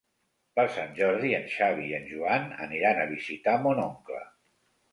Per Sant Jordi en Xavi i en Joan aniran a visitar mon oncle.